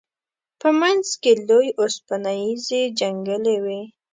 په منځ کې لوی اوسپنیزې جنګلې وې.